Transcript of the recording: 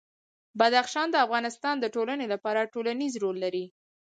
بدخشان د افغانستان د ټولنې لپاره بنسټيز رول لري.